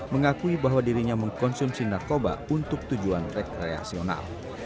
mengakui bahwa dirinya mengkonsumsi narkoba untuk tujuan rekreasional